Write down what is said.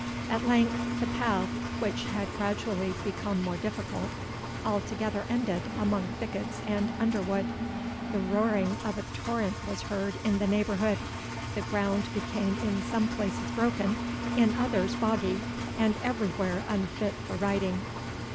At length, the path, which had gradually become more difficult, altogether ended among thickets and underwood. The roaring of a torrent was heard in the neighbourhood, the ground became in some places broken, in others boggy, and everywhere unfit for riding.